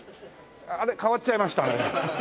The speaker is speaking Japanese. あれっ？変わっちゃいましたね。